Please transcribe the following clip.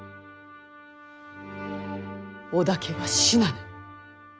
織田家は死なぬ。